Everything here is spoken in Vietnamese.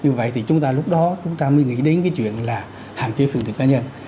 như vậy thì chúng ta lúc đó chúng ta mới nghĩ đến cái chuyện là hạn chế phương tiện cá nhân